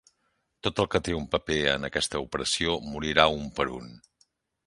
Tot el que té un paper en aquesta opressió morirà un per un.